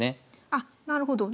あっなるほど。